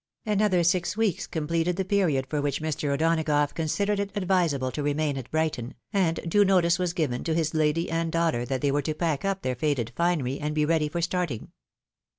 Another six weeks completed the period for which Mr. O'Donagough considered it advisable to remain at Brighton, and due notice was given to his lady and daughter that they were to pack up their faded finery and be ready for starting.